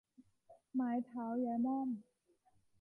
ไม้เท้ายายม่อม